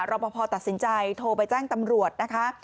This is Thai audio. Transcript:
รอปภตัดสินใจโทรไปแจ้งตำรวจนะคะ